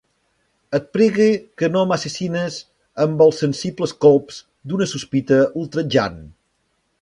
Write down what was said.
Et pregue que no m'assassines amb els sensibles colps d'una sospita ultratjant.